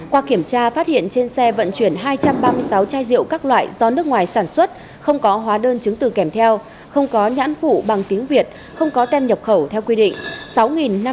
qua kiểm tra phát hiện trên xe vận chuyển hai trăm ba mươi sáu chai rượu các loại do nước ngoài sản xuất không có hóa đơn chứng từ kèm theo không có nhãn phụ bằng tiếng việt không có tem nhập khẩu theo quy định